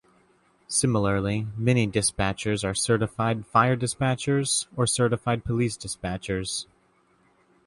Similarly, many dispatchers are Certified Fire Dispatchers or Certified Police Dispatchers.